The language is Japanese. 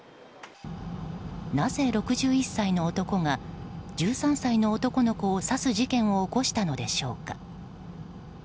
なぜ６１歳の男が１３歳の男の子を刺す事件を起こしたのでしょうか。